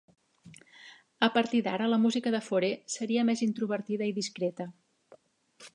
A partir d'ara la música de Fauré seria més introvertida i discreta.